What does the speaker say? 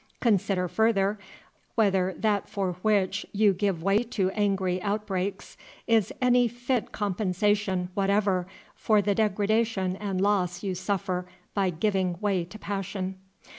Consider, further, whether that for which you give way to angry outbreaks is any fit compensation whatever for the degradation and loss you suffer by giving way to passion.